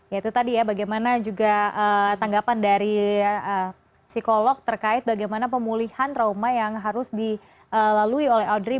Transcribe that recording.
ya itu tadi ya bagaimana juga tanggapan dari psikolog terkait bagaimana pemulihan trauma yang harus dilalui oleh audrey